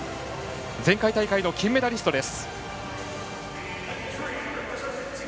前回大会の金メダリストです。